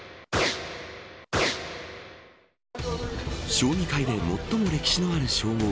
将棋界で最も歴史のある称号